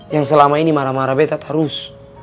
yang selama ini marah marah beto terus